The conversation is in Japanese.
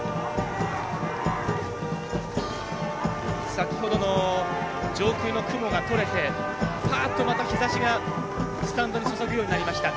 先ほどの上空の雲が取れてぱーっと、日ざしがスタンドに注ぐようになりました。